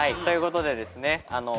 ということでですね